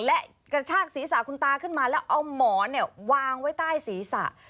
และกระชากศีรษะคุณตาขึ้นมาแล้วเอาหมอนวางไว้ใต้ศีรษะ